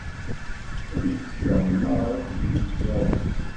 Nekk sleɣmaɣ akked yimessersa.